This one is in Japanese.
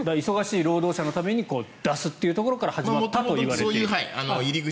忙しい労働者のために出すというところから始まったといわれている。